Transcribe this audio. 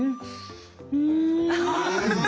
うん！